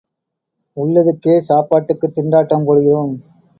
உள்ளதுக்கே சாப்பாட்டுக்குத் திண்டாட்டம் போடுகிறோம்.